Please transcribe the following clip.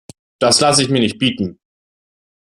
Das lasse ich mir nicht bieten!